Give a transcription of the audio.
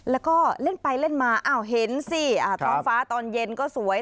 แล้วก็เล่นไปเล่นมาอ้าวเห็นสิท้องฟ้าตอนเย็นก็สวย